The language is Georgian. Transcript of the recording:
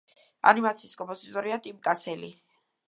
ანიმაციის კომპოზიტორია ტიმ კასელი.